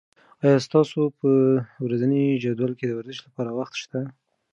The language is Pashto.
آیا ستاسو په ورځني جدول کې د ورزش لپاره وخت شته؟